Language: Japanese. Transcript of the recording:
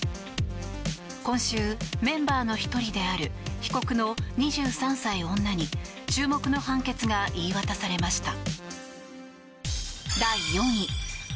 今週、メンバーの１人である被告の２３歳女に注目の判決が言い渡されました。